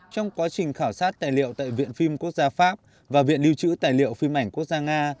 trong quá trình khảo sát tài liệu tại viện phim quốc gia pháp và viện lưu trữ tài liệu phim ảnh quốc gia nga